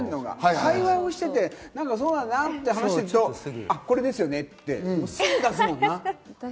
会話してて、そうだよなって話してるとこれですよねって、すぐ出すもんな。